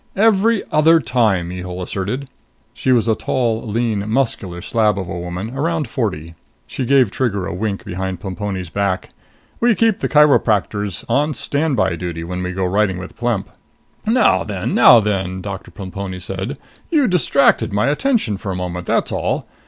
"Every other time!" Mihul asserted. She was a tall, lean, muscular slab of a woman, around forty. She gave Trigger a wink behind Plemponi's back. "We keep the chiropractors on stand by duty when we go riding with Plemp." "Now then! Now then!" Doctor Plemponi said. "You distracted my attention for a moment, that's all.